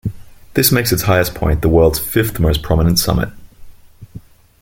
This makes its highest point the world's fifth most prominent summit.